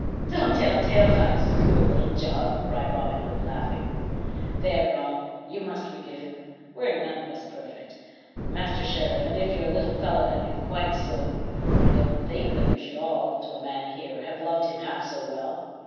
"Don't tell tales out of school, Little John," cried Robin Hood, laughing. "There, Rob, you must forgive him; we're none of us perfect. Master Sheriff, and if your little fellow had been quite so, I don't think that we should all, to a man here, have loved him half so well.